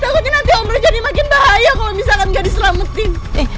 takutnya nanti om roy jadi makin bahaya kalau misalkan gak diselamatin